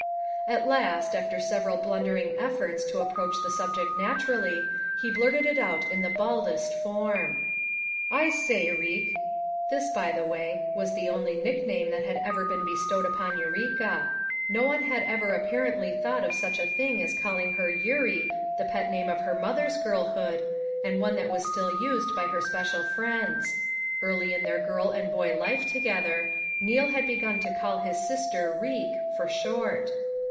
At last, after several blundering efforts to approach the subject naturally, he blurted it out in the baldest form. "I say, Reek," — this, by the way, was the only nickname that had ever been bestowed upon Eureka. No one had ever apparently thought of such a thing as calling her "Eurie" the pet name of her mother's girlhood, and one that was still used by her special friends. Early in their girl and boy life together, Neal had begun to call his sister Reek, "for short."